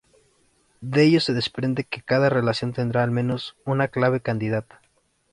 De ello se desprende que cada relación tendrá al menos una clave candidata.